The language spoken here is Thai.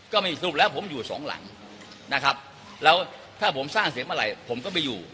ไม่สรุปแล้วผมอยู่สองหลังนะครับแล้วถ้าผมสร้างเสียงเมื่อไหร่ผมก็ไปอยู่